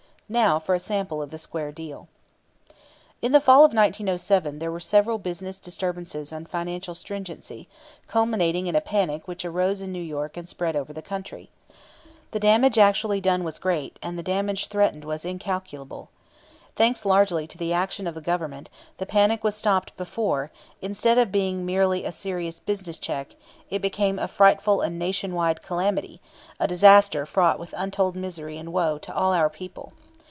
Now for a sample of the square deal. In the fall of 1907 there were severe business disturbances and financial stringency, culminating in a panic which arose in New York and spread over the country. The damage actually done was great, and the damage threatened was incalculable. Thanks largely to the action of the Government, the panic was stopped before, instead of being merely a serious business check, it became a frightful and Nation wide calamity, a disaster fraught with untold misery and woe to all our people.